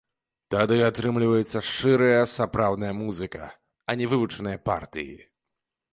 Тады атрымліваецца шчырая сапраўдная музыка, а не вывучаныя партыі.